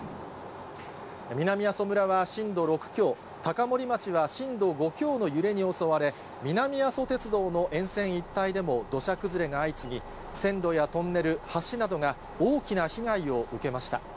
南阿蘇村は震度６強、高森町は震度５強の揺れに襲われ、南阿蘇鉄道の沿線一帯でも土砂崩れが相次ぎ、線路やトンネル、橋などが、大きな被害を受けました。